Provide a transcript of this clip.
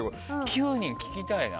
９人、聞きたいな。